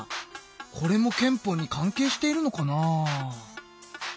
これも憲法に関係しているのかな？